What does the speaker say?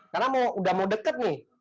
karena udah mau deket nih